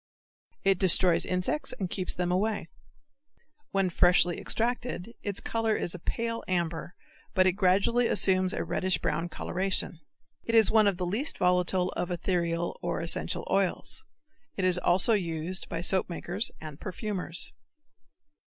It destroys insects and keeps them away. When freshly extracted its color is pale amber but it gradually assumes a reddish brown coloration. It is one of the least volatile of ethereal or essential oils. It is also used by soapmakers and perfumers.